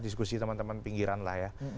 diskusi teman teman pinggiran lah ya